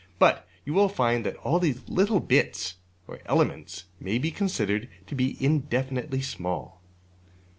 But you will find that these little bits (or elements) may be considered to be indefinitely small.